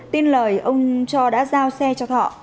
tin lời ông cho đã giao xe cho thọ